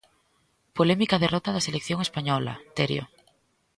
Polémica derrota da selección española, Terio.